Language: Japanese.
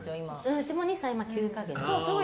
うちも２歳９か月。